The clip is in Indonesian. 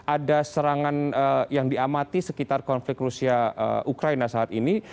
ada serangan yang diamati sekitar konflik rusia ukraina saat ini